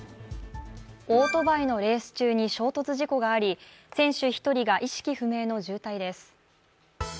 オートバイのレース中に衝突事故があり選手１人が意識不明の重体です。